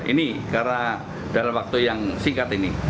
ini karena dalam waktu yang singkat ini